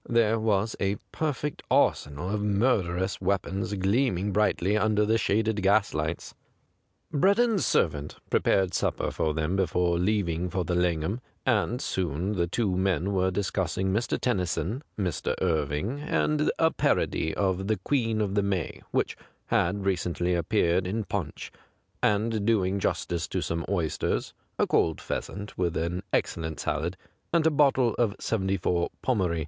Thei'C was a perfect arsenal of murderous weapons gleaming brightly under the shaded gaslights. Breddon's servant prepared sup per for them before leaving for the Langham, and soon the two ntien were discussing Mr. Tennyson, Mr. Irving, and a parody of the ' Queen of the May ' which had recently appeared in Piincli, and doing justice to some oysters, a cold pheasant with an excellent salad, and a bottle of '74 Pommery.